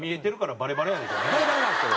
バレバレなんですけど。